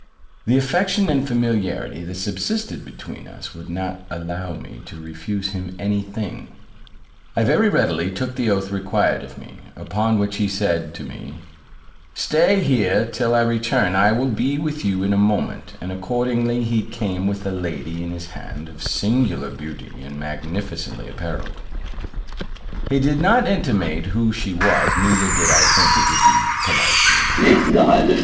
The affection and familiarity that subsisted between us would not allow me to refuse him any thing. I very readily took the oath required of me: upon which he said to me, "Stay here till I return, I will be with you in a moment; and accordingly he came with a lady in his hand, of singular beauty, and magnificently apparelled: he did not intimate who she was, neither did I think it would be polite to enquire.